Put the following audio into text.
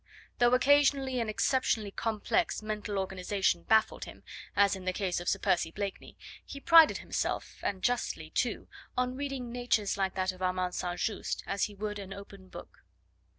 Though occasionally an exceptionally complex mental organisation baffled him as in the case of Sir Percy Blakeney he prided himself, and justly, too, on reading natures like that of Armand St. Just as he would an open book.